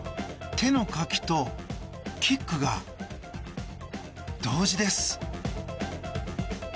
手のかきとキックが同時です。